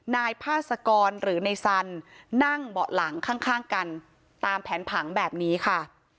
นายพาสกรหรือในสันนั่งเบาะหลังข้างกันตามแผนผังแบบนี้ค่ะ